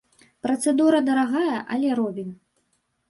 Працэдура дарагая, але робім.